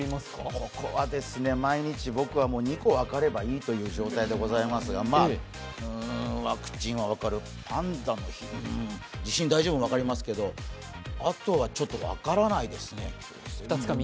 僕は毎日２個ぐらい分かればいいという感じですが、ワクチンは分かる、パンダも、地震大丈夫、分かりますけど、あとはちょっと分からないですね。